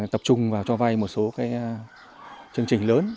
tập trung vào cho vay một số chương trình lớn